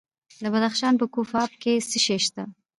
د بدخشان په کوف اب کې څه شی شته؟